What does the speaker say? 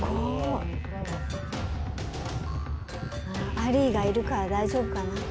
アリーがいるから大丈夫かな。